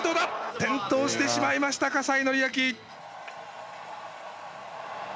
転倒してしまいました西紀明。